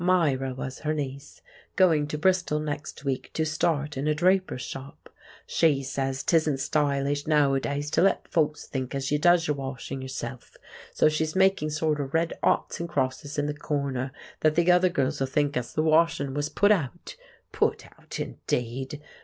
Myra was her niece, going to Bristol next week to start in a draper's shop. "She says 'tisn't stylish nowadays to let folks think as you does your washing yourself, so she's making sort o' red oughts and crosses in the corner, that the other girls 'll think as the washin' was put out. Put out, indeed!"